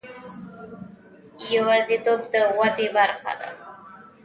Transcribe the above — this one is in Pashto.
یوازیتوب د ودې برخه ده.